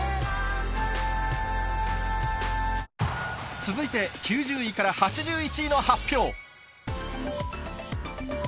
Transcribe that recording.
続いて９０位から８１位の発表。